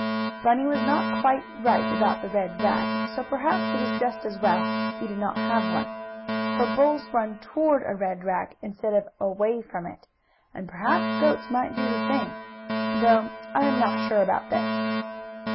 Bunny was not quite right about the red rag, so perhaps it is just as well he did not have one. For bulls run TOWARD a red rag, instead of AWAY from it, and perhaps goats might do the same; though I am not sure about this.